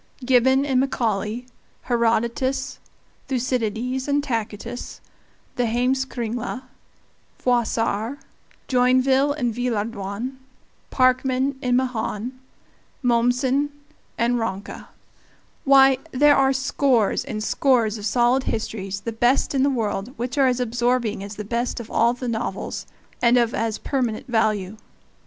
Gibbon and Macaulay, Herodotus, Thucydides and Tacitus, the Heimskringla, Froissart, Joinville and Villehardouin, Parkman and Mahan, Mommsen and Ranke why! there are scores and scores of solid histories, the best in the world, which are as absorbing as the best of all the novels, and of as permanent value.